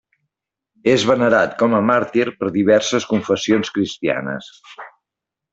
És venerat com a màrtir per diverses confessions cristianes.